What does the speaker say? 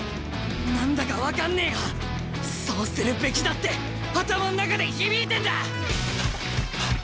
何だか分かんねえがそうするべきだって頭の中で響いてんだ！